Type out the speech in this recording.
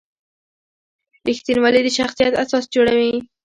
رښتینولي د شخصیت اساس جوړوي.